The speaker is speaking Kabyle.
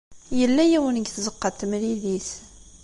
Yella yiwen deg tzeɣɣa n temlilit.